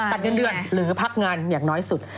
เงินเดือนหรือพักงานอย่างน้อยสุด